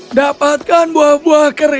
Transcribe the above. kabuliwala adalah buah buah yang berbeda